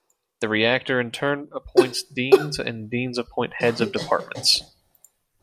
The rector in turn appoints deans and deans appoint heads of departments.